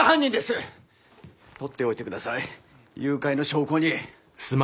撮っておいて下さい誘拐の証拠に。